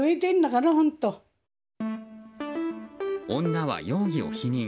女は容疑を否認。